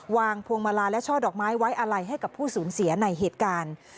พวงมาลาและช่อดอกไม้ไว้อะไรให้กับผู้สูญเสียในเหตุการณ์